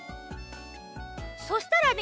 そしたらね